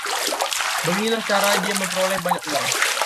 Beginilah cara dia memperoleh banyak uang.